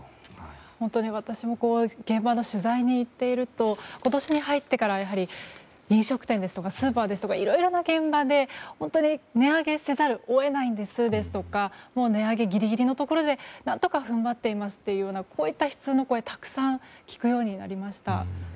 本当に私も現場の取材に行っていると今年に入ってから飲食店ですとかスーパーですとかいろいろな現場で本当に値上げせざるを得ないですとか値上げギリギリのところで何とか踏ん張っていますというこういった悲痛な声を、たくさん聞くようになりました。